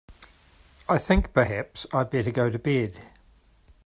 I think perhaps I'd better go to bed.